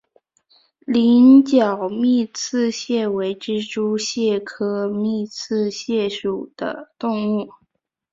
羚角密刺蟹为蜘蛛蟹科密刺蟹属的动物。